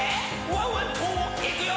ワンワンといくよ」